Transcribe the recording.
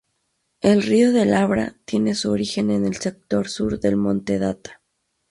El río del Abra tiene su origen en el sector sur del Monte Data.